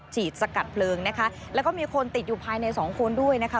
สกัดเพลิงนะคะแล้วก็มีคนติดอยู่ภายในสองคนด้วยนะคะ